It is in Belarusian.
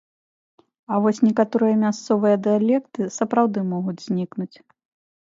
А вось некаторыя мясцовыя дыялекты сапраўды могуць знікнуць.